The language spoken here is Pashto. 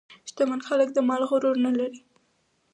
شتمن خلک د مال غرور نه لري.